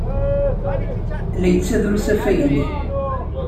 La yettader usafag-nni.